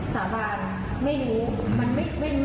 สาบาน